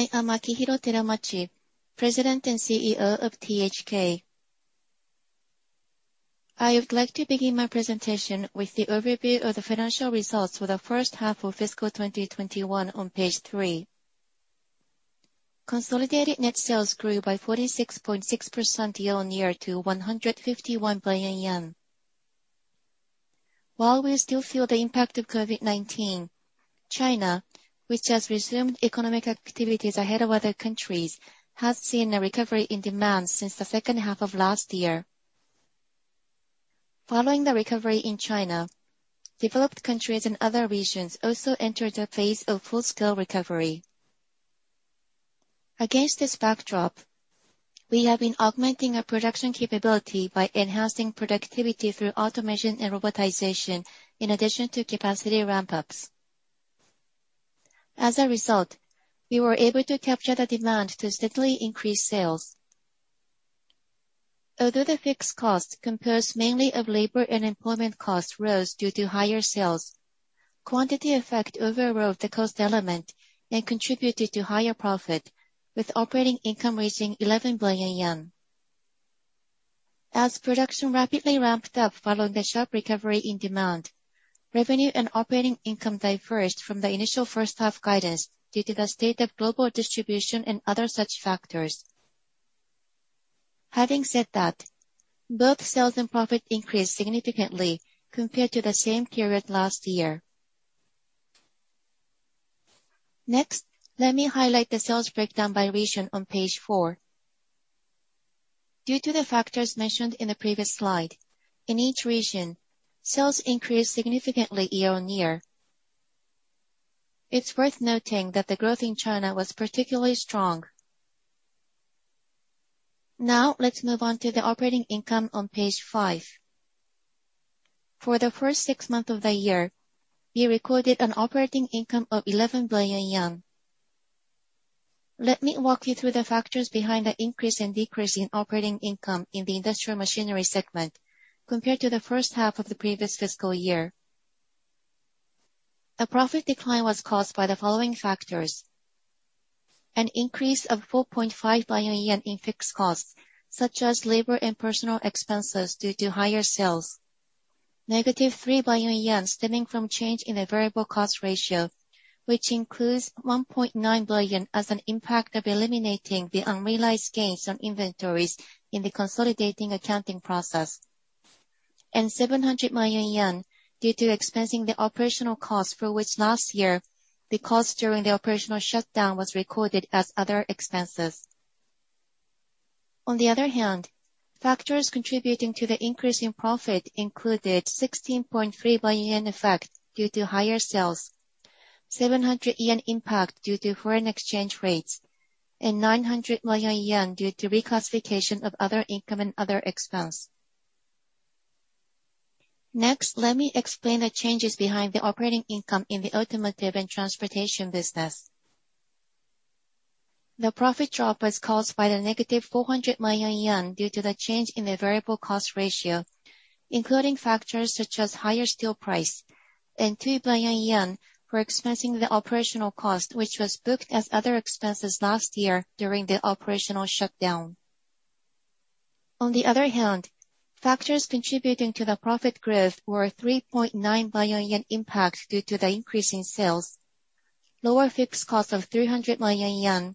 I am Akihiro Teramachi, President and CEO of THK. I would like to begin my presentation with the overview of the financial results for the first half of fiscal 2021 on page three. Consolidated net sales grew by 46.6% year-on-year to 151 billion yen. While we still feel the impact of COVID-19, China, which has resumed economic activities ahead of other countries, has seen a recovery in demands since the second half of last year. Following the recovery in China, developed countries and other regions also entered a phase of full-scale recovery. Against this backdrop, we have been augmenting our production capability by enhancing productivity through automation and robotization, in addition to capacity ramp-ups. As a result, we were able to capture the demand to steadily increase sales. Although the fixed cost, composed mainly of labor and employment costs, rose due to higher sales, quantity effect overrode the cost element and contributed to higher profit, with operating income reaching 11 billion yen. As production rapidly ramped up following the sharp recovery in demand, revenue and operating income diverged from the initial first-half guidance due to the state of global distribution and other such factors. Having said that, both sales and profit increased significantly compared to the same period last year. Next, let me highlight the sales breakdown by region on page four. Due to the factors mentioned in the previous slide, in each region, sales increased significantly year-on-year. It's worth noting that the growth in China was particularly strong. Now, let's move on to the operating income on page five. For the first six months of the year, we recorded an operating income of 11 billion yen. Let me walk you through the factors behind the increase and decrease in operating income in the industrial machinery segment compared to the first half of the previous fiscal year. A profit decline was caused by the following factors: An increase of 4.5 billion yen in fixed costs, such as labor and personal expenses, due to higher sales. Negative 3 billion yen stemming from change in the variable cost ratio, which includes 1.9 billion as an impact of eliminating the unrealized gains on inventories in the consolidating accounting process. 700 million yen due to expensing the operational cost, for which last year the cost during the operational shutdown was recorded as other expenses. On the other hand, factors contributing to the increase in profit included 16.3 billion yen effect due to higher sales, 700 yen impact due to foreign exchange rates, and 900 million yen due to reclassification of other income and other expense. Next, let me explain the changes behind the operating income in the automotive and transportation business. The profit drop was caused by the negative 400 million yen due to the change in the variable cost ratio, including factors such as higher steel price and 2 billion yen for expensing the operational cost, which was booked as other expenses last year during the operational shutdown. On the other hand, factors contributing to the profit growth were 3.9 billion yen impact due to the increase in sales, lower fixed cost of 300 million yen,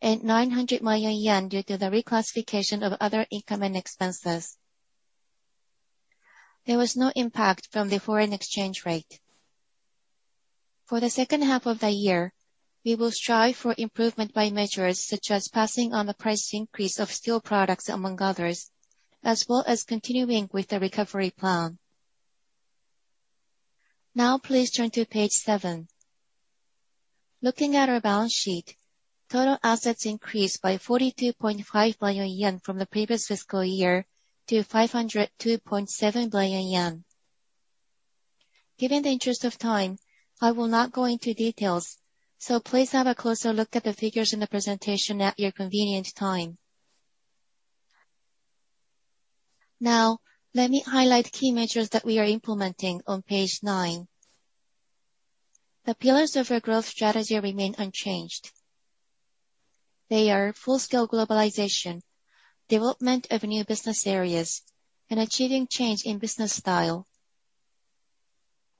and 900 million yen due to the reclassification of other income and expenses. There was no impact from the foreign exchange rate. For the second half of the year, we will strive for improvement by measures such as passing on the price increase of steel products, among others, as well as continuing with the recovery plan. Now, please turn to page seven. Looking at our balance sheet, total assets increased by 42.5 billion yen from the previous fiscal year to 502.7 billion yen. Given the interest of time, I will not go into details, so please have a closer look at the figures in the presentation at your convenient time. Now, let me highlight key measures that we are implementing on page nine. The pillars of our growth strategy remain unchanged. They are full-scale globalization, development of new business areas, and achieving change in business style.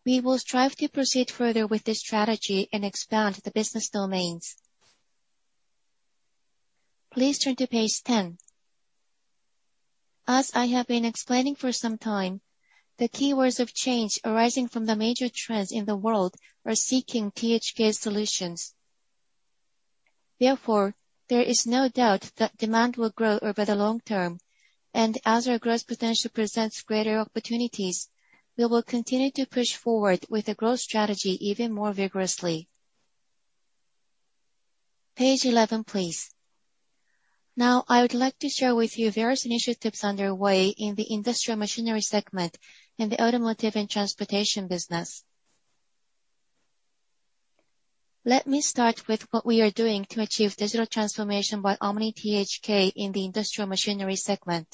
We will strive to proceed further with this strategy and expand the business domains. Please turn to page 10. As I have been explaining for some time, the keywords of change arising from the major trends in the world are seeking THK solutions. Therefore, there is no doubt that demand will grow over the long term, and as our growth potential presents greater opportunities, we will continue to push forward with the growth strategy even more vigorously. Page 11, please. I would like to share with you various initiatives underway in the industrial machinery segment in the automotive and transportation business. Let me start with what we are doing to achieve digital transformation by Omni THK in the industrial machinery segment.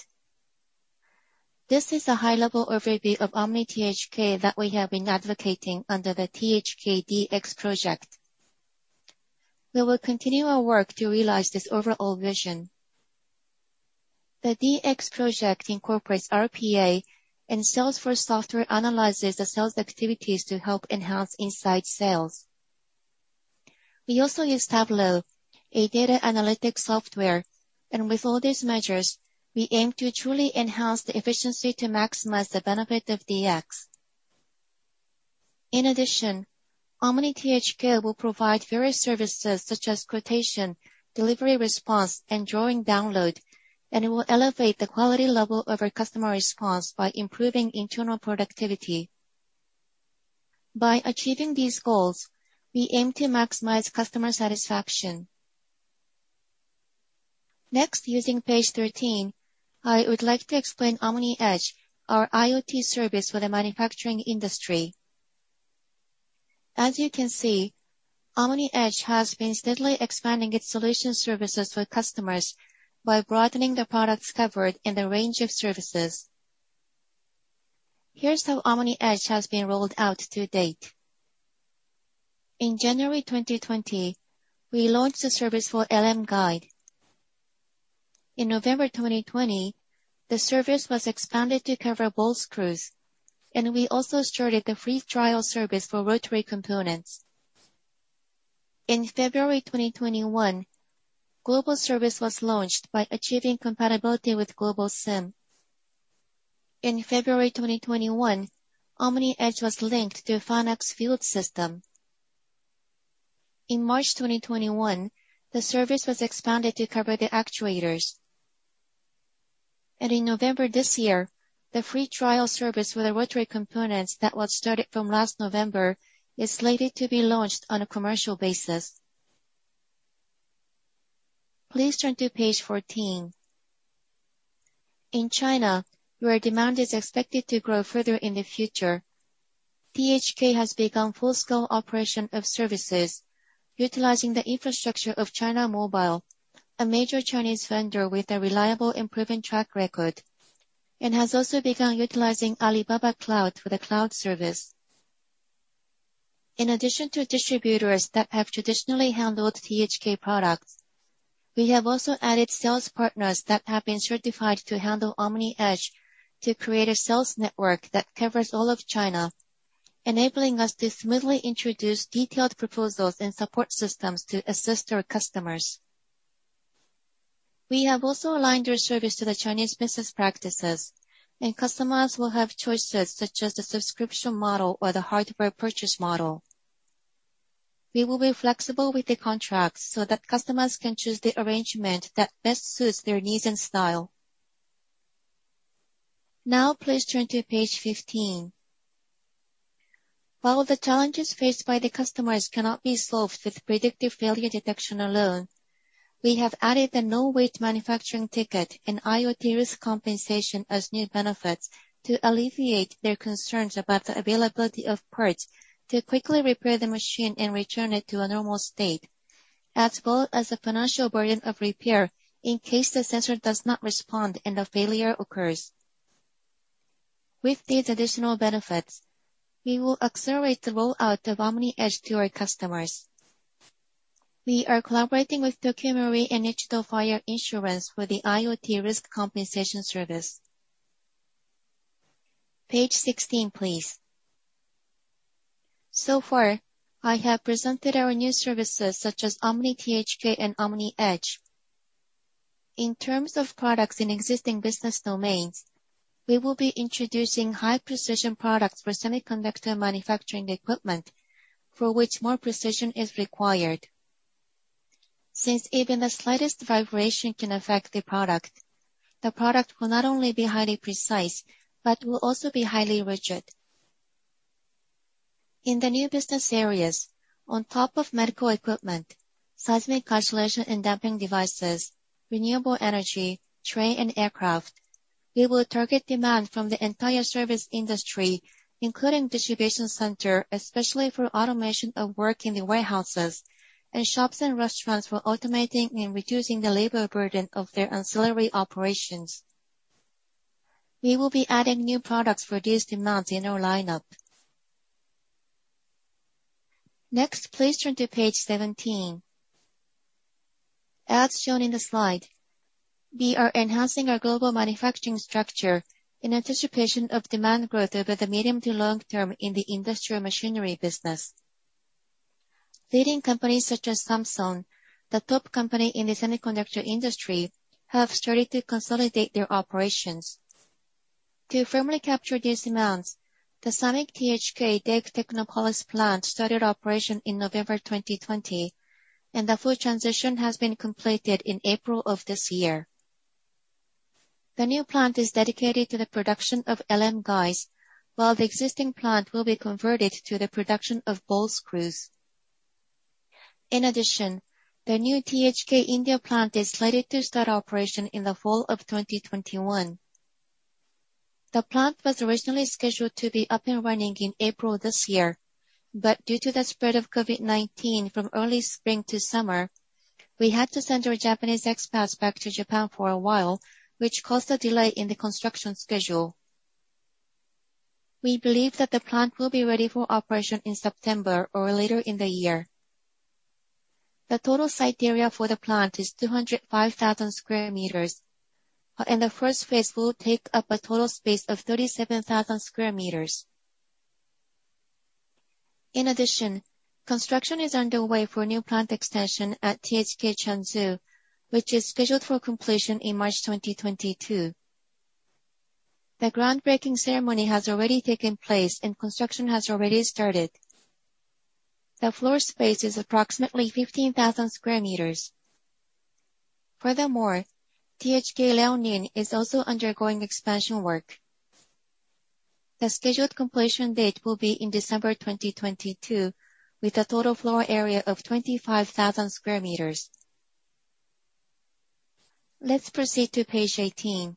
This is a high-level overview of Omni THK that we have been advocating under the THK DX project. We will continue our work to realize this overall vision. The DX project incorporates RPA and Salesforce software analyzes the sales activities to help enhance inside sales. We also use Tableau, a data analytics software. With all these measures, we aim to truly enhance the efficiency to maximize the benefit of DX. In addition, Omni THK will provide various services such as quotation, delivery response, and drawing download. It will elevate the quality level of our customer response by improving internal productivity. By achieving these goals, we aim to maximize customer satisfaction. Next, using page 13, I would like to explain OMNIedge, our IoT service for the manufacturing industry. As you can see, OMNIedge has been steadily expanding its solution services for customers by broadening the products covered in the range of services. Here's how OMNIedge has been rolled out to date. In January 2020, we launched the service for LM Guide. In November 2020, the service was expanded to cover ball screw. We also started the free trial service for rotary components. In February 2021, global service was launched by achieving compatibility with Global SIM. In February 2021, OMNIedge was linked to FANUC's FIELD system. In March 2021, the service was expanded to cover the actuators. In November this year, the free trial service for the rotary components that was started from last November is slated to be launched on a commercial basis. Please turn to page 14. In China, where demand is expected to grow further in the future, THK has begun full-scale operation of services utilizing the infrastructure of China Mobile, a major Chinese vendor with a reliable and proven track record, and has also begun utilizing Alibaba Cloud for the cloud service. In addition to distributors that have traditionally handled THK products, we have also added sales partners that have been certified to handle OMNIedge to create a sales network that covers all of China, enabling us to smoothly introduce detailed proposals and support systems to assist our customers. Customers will have choices such as the subscription model or the hardware purchase model. We will be flexible with the contracts so that customers can choose the arrangement that best suits their needs and style. Please turn to page 15. While the challenges faced by the customers cannot be solved with predictive failure detection alone, we have added the no-wait manufacturing ticket and IoT risk compensation as new benefits to alleviate their concerns about the availability of parts to quickly repair the machine and return it to a normal state, as well as the financial burden of repair in case the sensor does not respond and a failure occurs. With these additional benefits, we will accelerate the rollout of OMNIedge to our customers. We are collaborating with Tokio Marine & Nichido Fire Insurance for the IoT risk compensation service. Page 16, please. So far, I have presented our new services, such as Omni THK and OMNIedge. In terms of products in existing business domains, we will be introducing high-precision products for semiconductor manufacturing equipment, for which more precision is required. Since even the slightest vibration can affect the product, the product will not only be highly precise but will also be highly rigid. In the new business areas, on top of medical equipment, seismic isolation and damping devices, renewable energy, train and aircraft, we will target demand from the entire service industry, including distribution center, especially for automation of work in the warehouses, and shops and restaurants, for automating and reducing the labor burden of their ancillary operations. We will be adding new products for these demands in our lineup. Next, please turn to page 17. As shown in the slide, we are enhancing our global manufacturing structure in anticipation of demand growth over the medium to long term in the industrial machinery business. Leading companies such as Samsung, the top company in the semiconductor industry, have started to consolidate their operations. To firmly capture these demands, the SAMICK THK Technopolis plant started operation in November 2020, and the full transition has been completed in April of this year. The new plant is dedicated to the production of LM Guides, while the existing plant will be converted to the production of ball screws. In addition, the new THK India plant is slated to start operation in the fall of 2021. The plant was originally scheduled to be up and running in April this year, but due to the spread of COVID-19 from early spring to summer. We had to send our Japanese expats back to Japan for a while, which caused a delay in the construction schedule. We believe that the plant will be ready for operation in September or later in the year. The total site area for the plant is 205,000 sq m; the first phase will take up a total space of 37,000 sq m. In addition, construction is underway for a new plant extension at THK Changzhou, which is scheduled for completion in March 2022. The groundbreaking ceremony has already taken place, and construction has already started. The floor space is approximately 15,000 sq m. Furthermore, THK Liaoning is also undergoing expansion work. The scheduled completion date will be in December 2022, with a total floor area of 25,000 sq m. Let's proceed to page 18.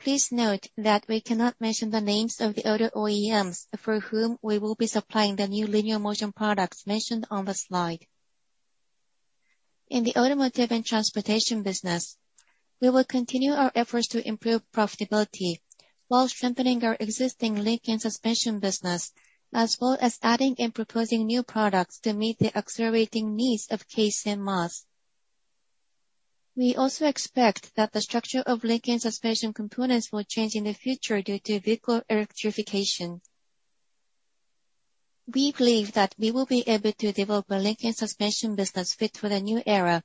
Please note that we cannot mention the names of the other OEMs for whom we will be supplying the new linear motion products mentioned on the slide. In the automotive and transportation business, we will continue our efforts to improve profitability while strengthening our existing link and suspension business, as well as adding and proposing new products to meet the accelerating needs of CASE and MaaS. We also expect that the structure of link and suspension components will change in the future due to vehicle electrification. We believe that we will be able to develop a link and suspension business fit for the new era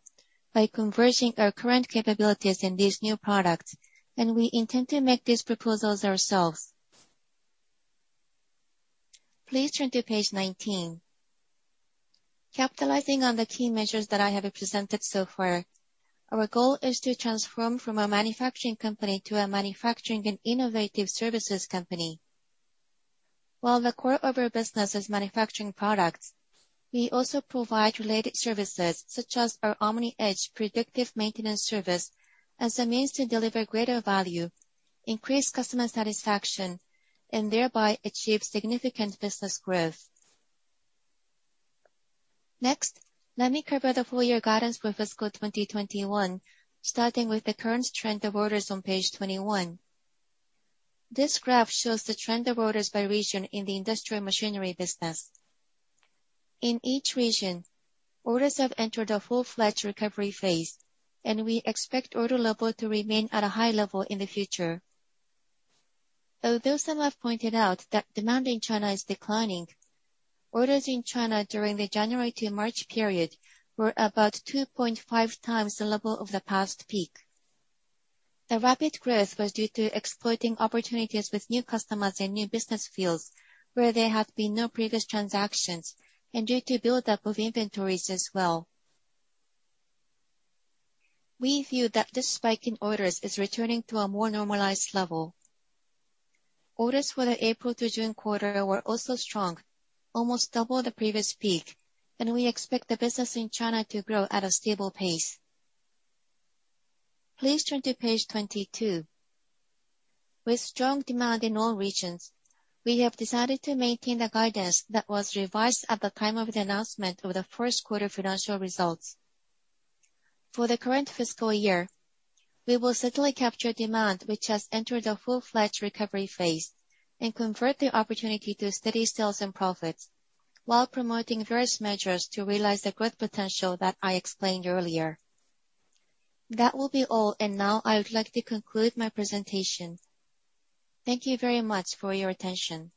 by converging our current capabilities in these new products, and we intend to make these proposals ourselves. Please turn to page 19. Capitalizing on the key measures that I have presented so far, our goal is to transform from a manufacturing company to a manufacturing and innovative services company. While the core of our business is manufacturing products, we also provide related services such as our OMNIedge predictive maintenance service as a means to deliver greater value, increase customer satisfaction, and thereby achieve significant business growth. Let me cover the full year guidance for fiscal 2021, starting with the current trend of orders on page 21. This graph shows the trend of orders by region in the industrial machinery business. In each region, orders have entered a full-fledged recovery phase, and we expect order level to remain at a high level in the future. Although some have pointed out that demand in China is declining, orders in China during the January to March period were about 2.5x the level of the past peak. The rapid growth was due to exploiting opportunities with new customers and new business fields where there had been no previous transactions, and due to buildup of inventories as well. We view that this spike in orders is returning to a more normalized level. Orders for the April to June quarter were also strong, almost double the previous peak, and we expect the business in China to grow at a stable pace. Please turn to page 22. With strong demand in all regions, we have decided to maintain the guidance that was revised at the time of the announcement of the first quarter financial results. For the current fiscal year, we will steadily capture demand, which has entered a full-fledged recovery phase, and convert the opportunity to steady sales and profits while promoting various measures to realize the growth potential that I explained earlier. That will be all, and now I would like to conclude my presentation. Thank you very much for your attention.